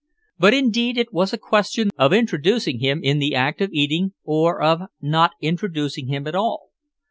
But indeed it was a question of introducing him in the act of eating or of not introducing him at all.